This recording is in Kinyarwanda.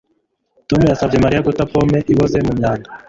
Tom yasabye Mariya guta pome iboze mu myanda